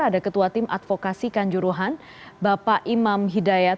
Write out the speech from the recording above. ada ketua tim advokasi kanjuruhan bapak imam hidayat